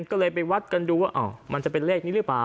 ก็เลยไปวัดกันดูว่ามันจะเป็นเลขนี้หรือเปล่า